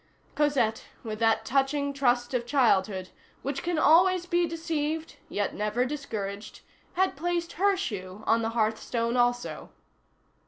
Cosette, with that touching trust of childhood, which can always be deceived yet never discouraged, had placed her shoe on the hearth stone also.